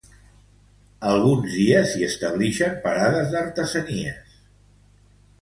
Alguns dies s'hi establixen parades d'artesanies.